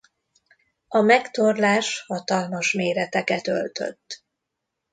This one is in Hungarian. A megtorlás hatalmas méreteket öltött.